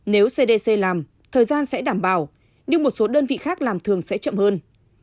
nếu cdc làm thời gian sẽ đảm bảo nhưng một số đơn vị khác làm thường sẽ chậm hơn